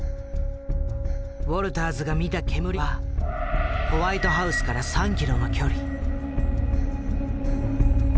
ウォルターズが見た煙はホワイトハウスから３キロの距離。